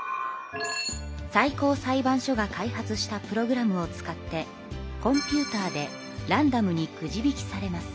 最高裁判所が開発したプログラムを使ってコンピューターでランダムにくじ引きされます。